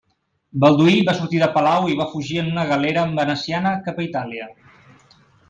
Balduí va sortir de palau i va fugir en una galera veneciana cap a Itàlia.